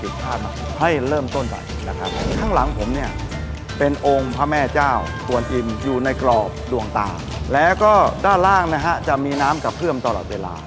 ด้านล่างจะมีน้ำกระเพื่อมตลอดเวลา